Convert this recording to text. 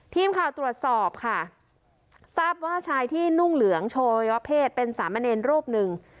ทีมข่าวตรวจสอบค่ะทราบว่าชายที่นุ่งเหลืองโชวัยวะเพศเป็นสามเณรรูปหนึ่ง